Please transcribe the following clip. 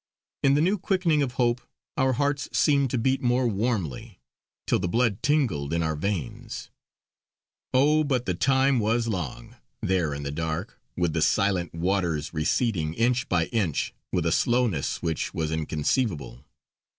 In the new quickening of hope, our hearts seemed to beat more warmly, till the blood tingled in our veins. Oh! but the time was long, there in the dark, with the silent waters receding inch by inch with a slowness which was inconceivable.